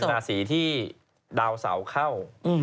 ราศีที่ดาวเสาเข้า